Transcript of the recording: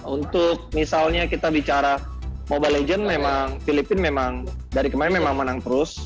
untuk misalnya kita bicara mobile legends memang filipina memang dari kemarin memang menang terus